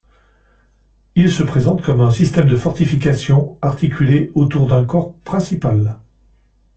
Il se présente comme un système de fortification articulé autour d'un corps principal.